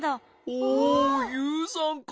おユウさんか。